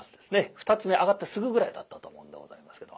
二つ目上がってすぐぐらいだったと思うんでございますけど。